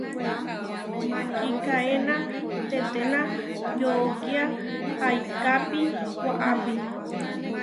Kikaéna teténa yoʼókia paikapi waʼápi.